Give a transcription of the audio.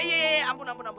eh iya ampun ampun ampun